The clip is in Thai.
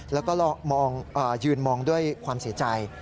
แล้วก็ยืนมองด้วยความเสียใจ